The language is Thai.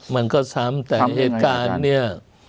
มันก็ซ้ำแต่เหตุการณ์เนี่ย